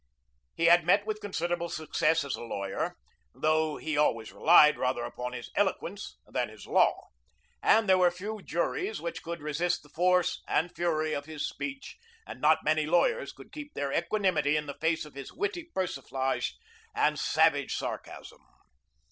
He had met with considerable success as a lawyer, though he always relied rather upon his eloquence than his law, and there were few juries which could resist the force and fury of his speech, and not many lawyers could keep their equanimity in the face of his witty persiflage and savage sarcasm.